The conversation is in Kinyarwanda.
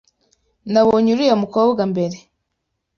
Nabonye uriya mukobwa mbere.